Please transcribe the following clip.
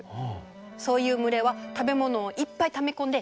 そういう群れは食べ物をいっぱいため込んで余裕がある。